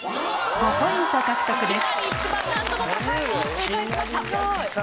３ポイント獲得です。